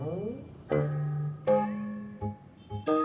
kamu baca apa pur